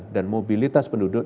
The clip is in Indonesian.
dan mobilitas penduduk